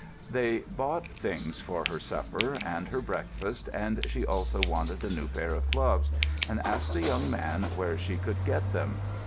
They bought things for her supper and her breakfast, and she also wanted a new pair of gloves, and asked the young man where she could get them.